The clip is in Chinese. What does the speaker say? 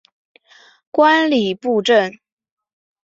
观礼部政。